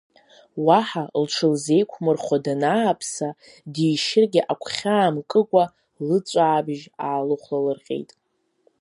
Уаҳа лҽылзеиқәмырхо данааԥса, дишьыргьы агәхьаа мкыкәа, лыҵәаабжь аалыхәлалырҟьеит.